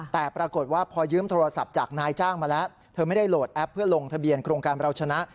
แต่ปรากฏว่าพอยืมโทรศัพท์จากนายจ้างมาแล้วเธอไม่ได้โหลดแอปเพื่อลงทะเบียนโครงการเราชนะ